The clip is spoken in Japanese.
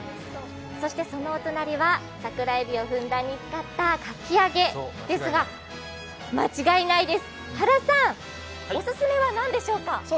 そしてそのお隣はさくらえびをふんだんに使ったかき揚げですが間違いないです、原さん、オススメは何でしょうか？